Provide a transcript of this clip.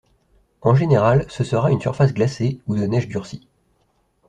En général, ce sera une surface glacée ou de neige durcie.